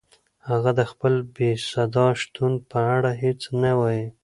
هغه د خپل بېصدا شتون په اړه هیڅ نه وایي.